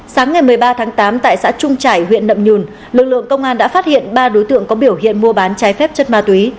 sáng ngày một mươi ba tháng tám tại xã trung trải huyện nậm nhùn lực lượng công an đã phát hiện ba đối tượng có biểu hiện mua bán trái phép chất ma túy